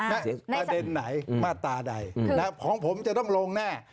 ประเด็นไหนมาตราใดของผมจะต้องลงแน่